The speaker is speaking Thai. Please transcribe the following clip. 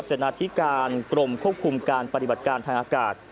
นาธิการกรมควบคุมการปฏิบัติการทางอากาศ